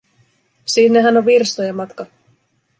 Sinnehän on virstojen matka.